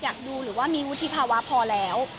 อยากดูหรือว่ามีวุฒิภาวะพอแล้ว